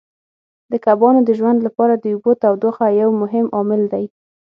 د کبانو د ژوند لپاره د اوبو تودوخه یو مهم عامل دی.